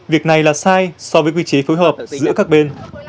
việc này là sai so với quy chế phối hợp giữa các bên